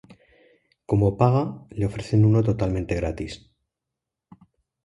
Como paga, le ofrecen uno totalmente gratis.